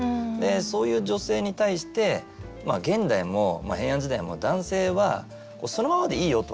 そういう女性に対して現代も平安時代も男性は「そのままでいいよ」とは言わないんですよね。